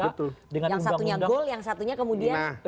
yang satunya goal yang satunya kemudian ditunda gitu ya pak